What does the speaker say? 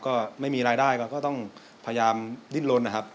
ก็ไม่มีรายได้ก็ต้องพยายามดิ้นลนนะครับ